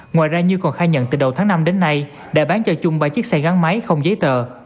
ngoài ra như còn khai nhận từ đầu tháng năm đến nay đại bán cho chung ba chiếc xe gắn máy không giấy tờ